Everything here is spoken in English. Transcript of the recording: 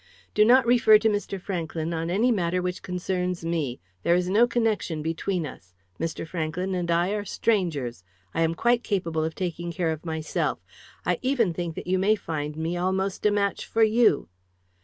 "Do not refer to Mr. Franklyn on any matter which concerns me. There is no connection between us. Mr. Franklyn and I are strangers. I am quite capable of taking care of myself. I even think that you may find me almost a match for you."